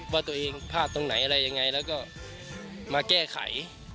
ว่าตัวเองพลาดตรงไหนอะไรยังไงแล้วก็มาแก้ไข